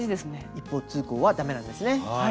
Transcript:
一方通行はダメなんですね。